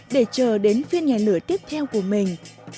để chờ đến phiên nhảy lửa tiếp theo của mình